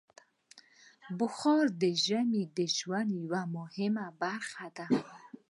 بخاري د ژمي د ژوند یوه مهمه برخه ده.